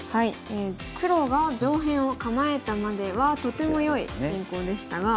黒が上辺を構えたまではとてもよい進行でしたが